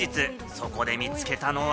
そこで見つけたのは。